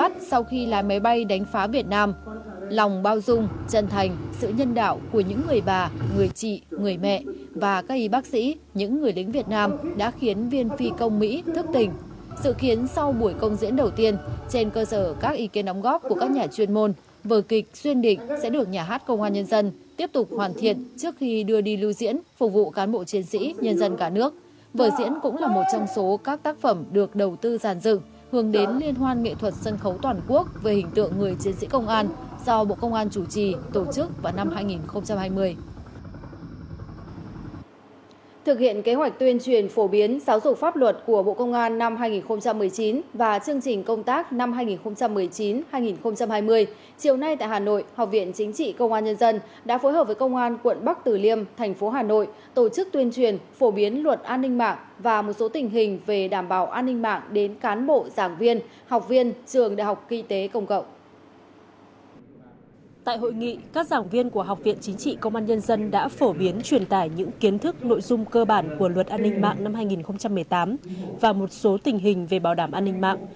tại hội nghị các giảng viên của học viện chính trị công an nhân dân đã phổ biến truyền tải những kiến thức nội dung cơ bản của luật an ninh mạng năm hai nghìn một mươi tám và một số tình hình về bảo đảm an ninh mạng